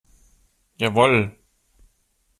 Jawohl!